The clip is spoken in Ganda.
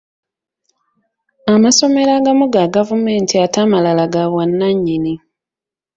Amasomero agamu ga gavumenti ate amalala gabwannanyini.